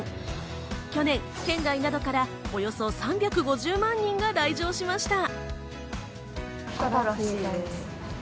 去年、県外などからおよそ３５０万人が来場しました。